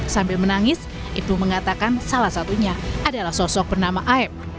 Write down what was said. sambil menangis ibnu mengatakan salah satunya adalah sosok bernama aep